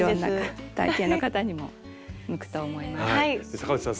坂内さん